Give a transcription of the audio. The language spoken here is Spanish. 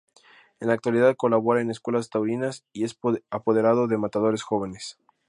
En la actualidad colabora en escuelas taurinas y es apoderado de matadores jóvenes.